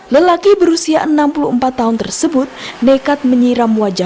lelaki berusia enam puluh empat tahun tersebut nekat menyiram wajah